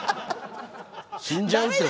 死んじゃうって。